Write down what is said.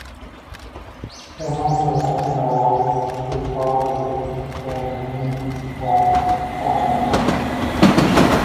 Channels are analogous to "file descriptors" found in Unix-like operating systems.